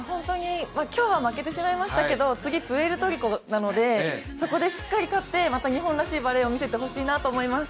今日は負けてしまいましたので、次、プエルトリコなので、そこでしっかり勝ってまた日本らしいバレーを見せてほしいなと思います。